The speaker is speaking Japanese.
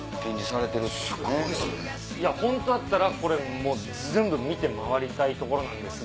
いやホントだったらこれ全部見て回りたいところなんですが。